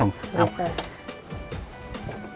เอาค่ะ